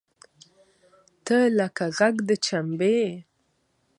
تۀ لکه غږ د چمبې !